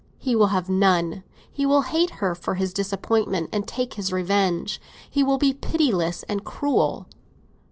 He will have none. He will hate her for his disappointment, and take his revenge; he will be pitiless and cruel.